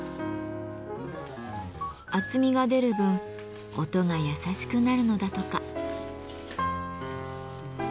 厚みが出る分音が優しくなるのだとか。